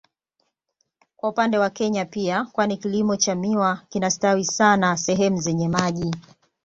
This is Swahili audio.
Kwa upande wa Kenya pia kwani kilimo cha miwa kinastawi sana sehemu zenye maji